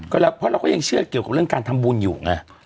ก็แล้วเพราะเราก็ยังเชื่อเกี่ยวกับเรื่องการทำบุญอยู่ไง